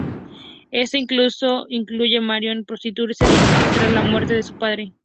Esto incluso incluye Marion prostituirse tras la muerte de su padre.